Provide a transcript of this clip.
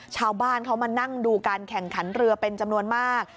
ชาวบ้านเขามานั่งดูการแข่งขันเรือเป็นจำนวนมาก